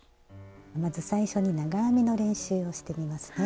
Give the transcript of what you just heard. まず最初に長編みの練習をしてみますね。